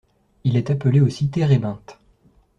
Il est appelé aussi térébinthe.